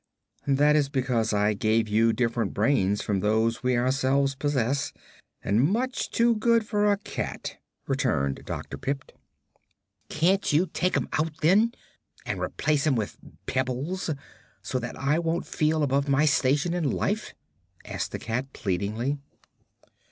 "That is because I gave you different brains from those we ourselves possess and much too good for a cat," returned Dr. Pipt. "Can't you take 'em out, then, and replace 'em with pebbles, so that I won't feel above my station in life?" asked the cat, pleadingly.